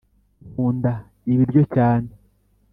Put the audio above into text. nkunda ibiryo cyane